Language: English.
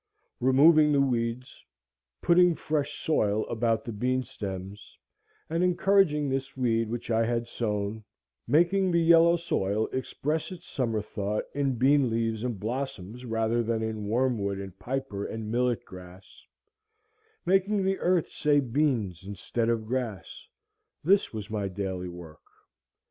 Removing the weeds, putting fresh soil about the bean stems, and encouraging this weed which I had sown, making the yellow soil express its summer thought in bean leaves and blossoms rather than in wormwood and piper and millet grass, making the earth say beans instead of grass,—this was my daily work.